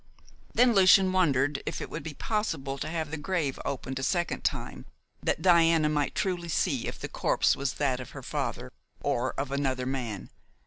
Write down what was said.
Then Lucian wondered if it would be possible to have the grave opened a second time that Diana might truly see if the corpse was that of her father or of another man.